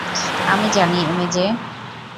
আমি জানি, এমজে।